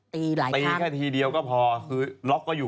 ตีแค่ทีเดียวก็พอคือล็อกก็อยู่